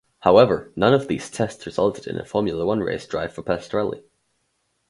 However, none of these tests resulted in a Formula One race drive for Pastorelli.